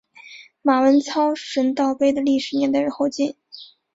马文操神道碑的历史年代为后晋。